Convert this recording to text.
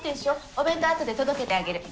お弁当後で届けてあげる。